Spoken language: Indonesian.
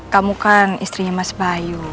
kamu kan istrinya mas bayu